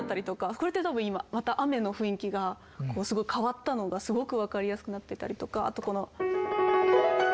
これって多分今また雨の雰囲気がこうすごい変わったのがすごく分かりやすくなってたりとかあとこの。